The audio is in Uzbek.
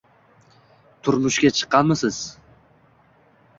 Turmushga chiqqanmisiz?